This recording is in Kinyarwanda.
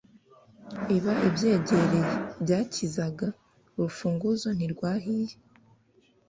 Iba ibyegereye byakizaga, urufunzo ntirwahiye.